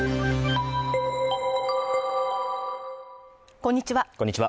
こんにちは